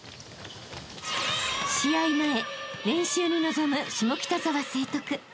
［試合前練習に臨む下北沢成徳］